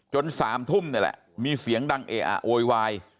๓ทุ่มนี่แหละมีเสียงดังเออะโวยวาย